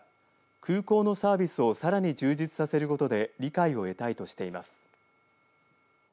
空港のサービスをさらに充実させることで理解を得たいとしています。